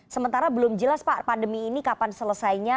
sementara belum jelas pak pandemi ini kapan selesainya